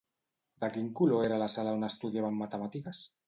De quin color era la sala on estudiaven matemàtiques?